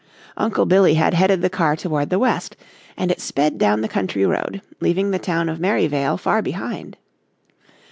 Uncle Billy had headed the car toward the west and it sped down the country road, leaving the town of Merryvale far behind.